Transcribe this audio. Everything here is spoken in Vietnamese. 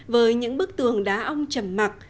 với những bức tường đá ông chầm mê